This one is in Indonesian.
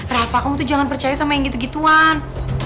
rafa kamu tuh jangan percaya sama yang gitu gituan